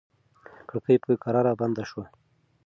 کړکۍ په کراره بنده شوه.